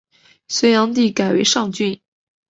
隋炀帝改为上郡。